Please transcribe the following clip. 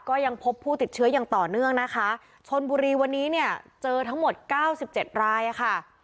ก็ยังพบผู้ติดเชื้ออย่างต่อเนื่องนะคะชนบุรีวันนี้เนี่ยเจอทั้งหมดเก้าสิบเจ็ดรายค่ะ